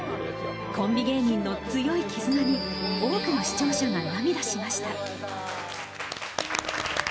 コンビ芸人の強い絆に多くの視聴者が涙しました。